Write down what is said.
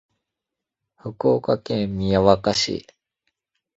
福岡県宮若市